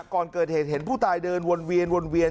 ก่อนเกิดเหตุเห็นผู้ตายเดินวนเวียนวนเวียน